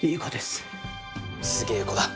すげえ子だ。